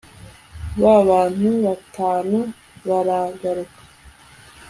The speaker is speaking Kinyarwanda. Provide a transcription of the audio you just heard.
ba bantu batanu baragaruka